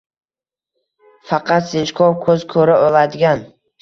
faqat sinchkov ko‘z ko‘ra oladigan